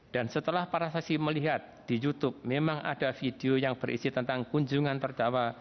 dan setelah para saksi melihat di youtube memang ada video yang berisi tentang kunjungan terdakwa